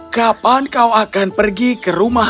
kapan kau akan pergi ke rumah